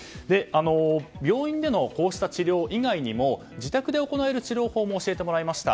病院でのこうした治療以外にも自宅で行える治療法も教えてもらいました。